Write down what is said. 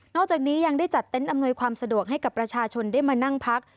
จากนี้ยังได้จัดเต็นต์อำนวยความสะดวกให้กับประชาชนได้มานั่งพัก